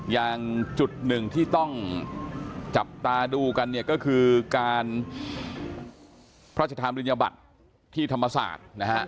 อย่างจุดหนึ่งที่ต้องจับตาดูกันก็คือการพระอาจารย์ธรรมลินิยบัตรที่ธรรมศาสตร์